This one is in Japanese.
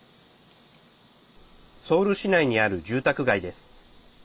ソウル市内にある住宅街です。